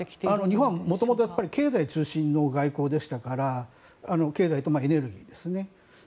日本はもともと経済中心の外交でしたから経済とエネルギーですね。